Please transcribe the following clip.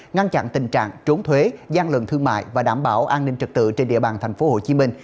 ngăn chặn tình trạng trốn thuế gian lận thương mại và đảm bảo an ninh trật tự trên địa bàn tp hcm